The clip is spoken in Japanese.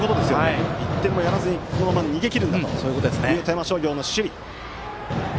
１点もやらずにこのまま逃げ切るんだという富山商業の守備。